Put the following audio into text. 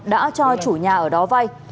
đã cho chủ nhà ở đó vay